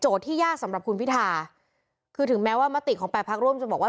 ที่ยากสำหรับคุณพิทาคือถึงแม้ว่ามติของแปดพักร่วมจะบอกว่า